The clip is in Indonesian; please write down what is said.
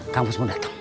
kamu semua datang